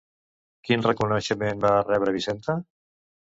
Quin reconeixement va rebre Vicenta?